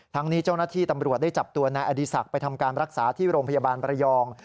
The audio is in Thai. นี้เจ้าหน้าที่ตำรวจได้จับตัวนายอดีศักดิ์ไปทำการรักษาที่โรงพยาบาลประยอง